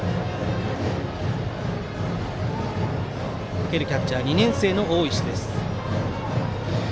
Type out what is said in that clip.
受けるキャッチャーは２年生の大石。